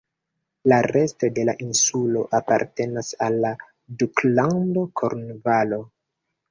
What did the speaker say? La resto de la insulo apartenas al la Duklando Kornvalo.